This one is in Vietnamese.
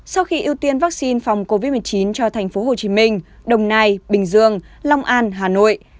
sau khi ưu tiên vaccine phòng covid một mươi chín cho thành phố hồ chí minh đồng nai bình dương long an hà nội